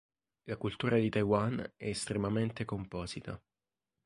La cultura di Taiwan è estremamente composita.